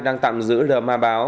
đang tạm giữ lờ ma báo